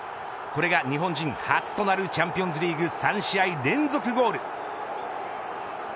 これが、日本人初となるチャンピオンズリーグ３試合連続ゴール。